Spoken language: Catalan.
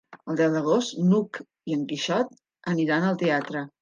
El deu d'agost n'Hug i en Quixot aniran al teatre.